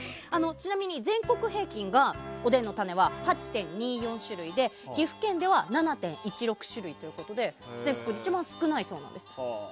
ちなみに全国平均がおでんの種が８．２４種類で岐阜県では７．１６種類ということで全国で一番少ないそうなんです。